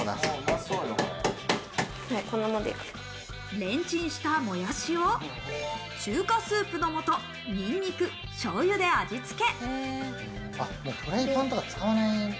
レンチンしたもやしを中華スープの素、にんにく、醤油で味付け。